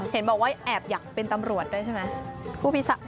เห็นบอกว่าแอบอยากเป็นตำรวจด้วยใช่ไหม